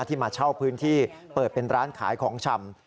ที่มาเช่าพื้นที่เปิดเป็นร้านขายของชำ